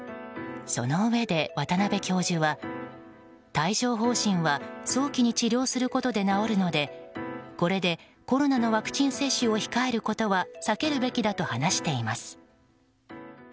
そのうえで、渡辺教授は帯状疱疹は早期に治療することで治るのでこれでコロナのワクチン接種を控えることは避けるべきだと話しています。